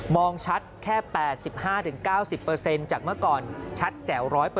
ชัดแค่๘๕๙๐จากเมื่อก่อนชัดแจ๋ว๑๐๐